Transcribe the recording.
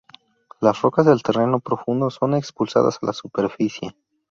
Las rocas del terreno profundo son expulsadas a la superficie.